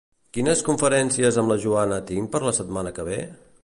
Quines conferències amb la Joana tinc per la setmana que ve?